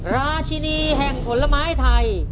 ราชินีแห่งผลไม้ไทย